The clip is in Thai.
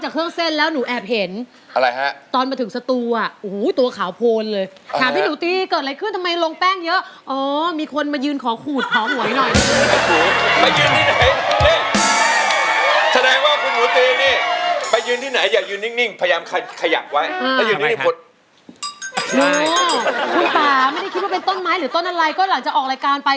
คุณป่าไม่ได้คิดว่าเป็นต้นไม้หรือต้นอะไรก็หลังจากออกรายการไป